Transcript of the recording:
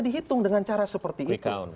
dihitung dengan cara seperti itu